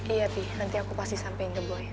iya pih nanti aku pasti sampein ke boy